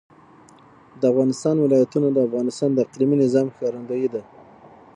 د افغانستان ولايتونه د افغانستان د اقلیمي نظام ښکارندوی ده.